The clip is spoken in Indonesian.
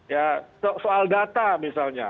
ya soal data misalnya